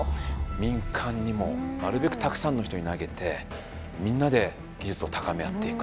民間にもなるべくたくさんの人に投げてみんなで技術を高め合っていくっていう。